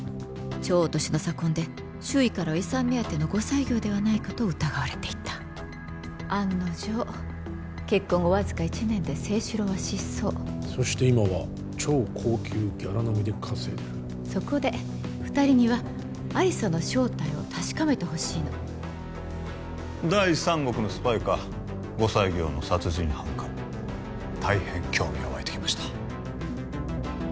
超年の差婚で周囲からは遺産目当ての後妻業ではないかと疑われていた案の定結婚後わずか１年で征四郎は失踪そして今は超高級ギャラ飲みで稼いでるそこで二人には亜理紗の正体を確かめてほしいの第三国のスパイか後妻業の殺人犯か大変興味がわいてきました